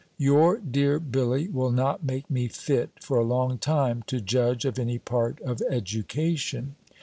Your dear Billy will not make me fit, for a long time, to judge of any part of education.